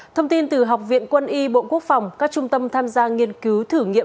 thông tin từ học viện quân y bộ quốc phòng các trung tâm tham gia nghiên cứu thử nghiệm